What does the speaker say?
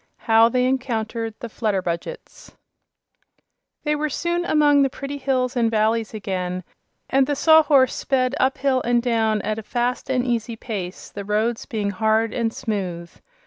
How They Encountered the Flutterbudgets They were soon among the pretty hills and valleys again, and the Sawhorse sped up hill and down at a fast and easy pace, the roads being hard and smooth.